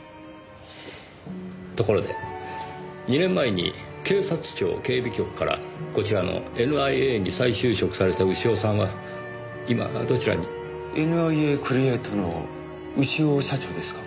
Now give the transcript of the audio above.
ところで２年前に警察庁警備局からこちらのＮＩＡに再就職された潮さんは今どちらに？ＮＩＡクリエイトの潮社長ですか？